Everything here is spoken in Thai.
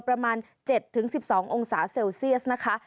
ประมาณ๗๑๒องศาเซลเซียสนะคะ